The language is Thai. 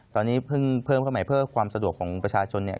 ตอนนี้เพิ่งเพิ่มเข้ามาเพื่อความสะดวกของประชาชนเนี่ย